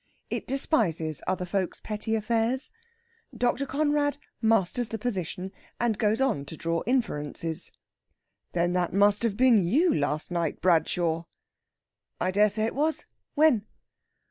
It despises other folk's petty affairs. Dr. Conrad masters the position, and goes on to draw inferences. "Then that must have been you last night, Bradshaw?" "I dare say it was. When?"